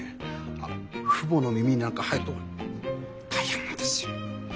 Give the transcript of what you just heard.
父母の耳になんか入ると大変なんですよ。